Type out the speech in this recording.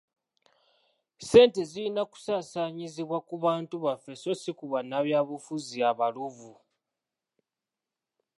Ssenti zirina kusaasaanyizibwa ku bantu baffe so si ku bannabyabufuzi abaluvu.